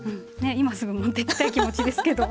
今すぐ持っていきたい気持ちですけど。